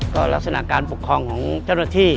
ก็ลักษณะการปกครองของเจ้าหน้าที่